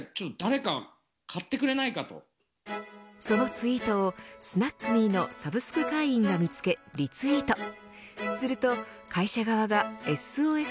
そのツイートをスナックミーのサブスク会員が見つけリツイート。